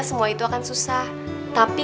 semua itu akan susah tapi